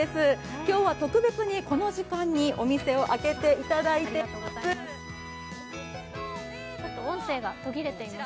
今日は特別にこの時間にお店を開けていただいています。